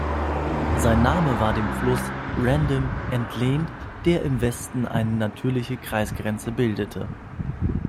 Sein Name war dem Fluss Randow entlehnt, der im Westen eine natürliche Kreisgrenze bildete.